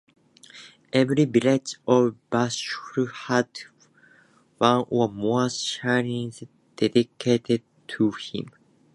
Every village of Bashgul had one or more shrines dedicated to him.